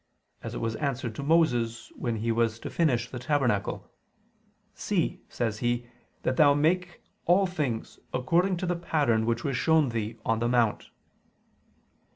As it was answered to Moses, when he was to finish the tabernacle: See, says He, that thou make all things according to the pattern which was shown thee on the mount."